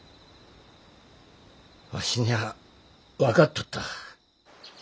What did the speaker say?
わしにゃあ分かっとった。